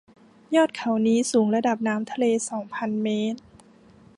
ยอดเขานี้สูงกว่าระดับน้ำทะเลสองพันเมตร